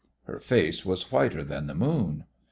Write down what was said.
Her face was whiter than the moon.